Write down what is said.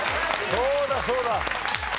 そうだそうだ。